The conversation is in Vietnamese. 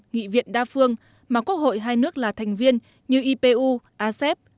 nghị viện đa phương mà quốc hội hai nước là thành viên như ipu asep